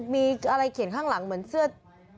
มีอะไรเขียนข้างหลังเหมือนเสื้อเกยงงานมั้ย